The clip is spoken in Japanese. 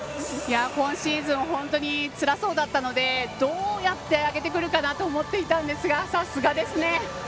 今シーズン本当に辛そうだったのでどうやって上げてくるかなと思っていたんですがさすがですね。